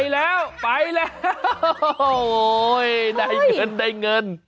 เรียนได้เงิน